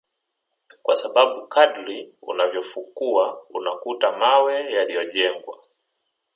kwa sababu kadiri unavyofukua unakuta mawe yaliyojengwa